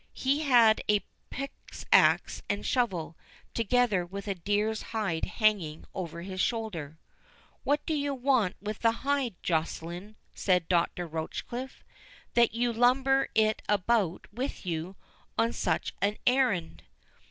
He had a pickaxe and shovel, together with a deer's hide hanging over his shoulder. "What do you want with the hide, Joceline," said Dr. Rochecliffe, "that you lumber it about with you on such an errand?"